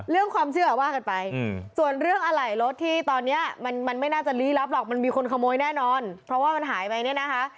เรื่องความเชื่อว่ากันไปส่วนเรื่องอะไหล่รถที่ตอนนี้มันไม่น่าจะลี้ลับหรอกมันมีคนขโมยแน่นอนเพราะว่ามันหายไปเนี่ยนะคะ